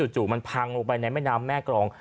จู่มันพังลงไปในแม่น้ำแม่กรอง